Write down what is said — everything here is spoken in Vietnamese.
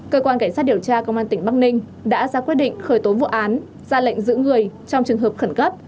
cơ quan cảnh sát điều tra công an tỉnh bắc ninh đã ra quyết định khởi tố vụ án ra lệnh giữ người trong trường hợp khẩn cấp